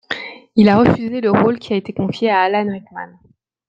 Il a refusé le rôle qui a été confié à Alan Rickman.